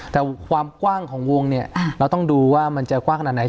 แต่ความกว้างของวงเนี่ยเราต้องดูว่ามันจะกว้างขนาดไหน